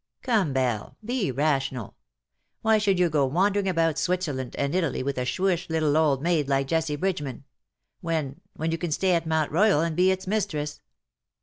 Come, Belle, be rational. Why should you go wandering about Switzerland and Italy with a shrewish little old maid like Jessie Bridgeman — when — when you can stay at Mount Royal and be its mistress.